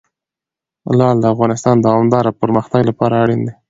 لعل د افغانستان د دوامداره پرمختګ لپاره اړین دي.